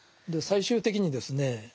最終的にですね